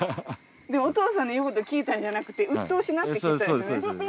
でもお父さんの言うこと聞いたんじゃなくてうっとうしなって切ったんですよね？